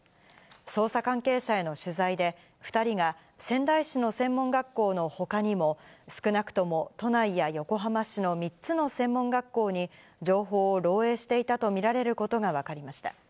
捜査関係者への取材で、２人が仙台市の専門学校のほかにも、少なくとも都内や横浜市の３つの専門学校に、情報を漏えいしていたと見られることが分かりました。